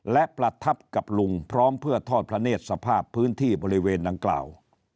และประทับกับลุงพร้อมเพื่อทอดพระเนธสภาพพื้นที่บริเวณดังกล่าว